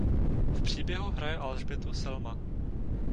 V příběhu hraje Alžbětu Selma.